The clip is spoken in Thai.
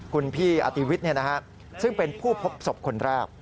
คุณพี่อติวิทย์ซึ่งเป็นผู้พบศพคนแรก